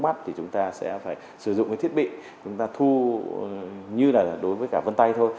mắt thì chúng ta sẽ phải sử dụng cái thiết bị chúng ta thu như là đối với cả vân tay thôi